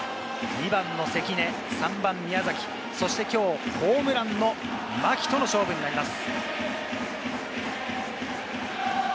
２番の関根、３番の宮崎、そしてきょうホームランの牧との勝負になります。